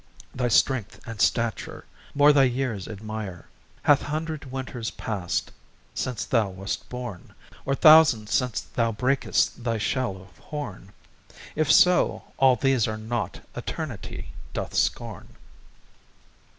Thy strength, and stature, more thy years admire; Hath hundred winters past since thou wast born, Or thousand since thou breakest thy shell of horn? If so, all these as naught Eternity doth scorn.